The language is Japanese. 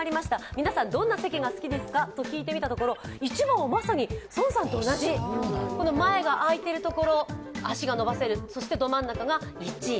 皆さん、どんな席が好きですかと聞いたところ、１番はまさに宋さんと同じ前があいているところ足が伸ばせる、そしてど真ん中が１位。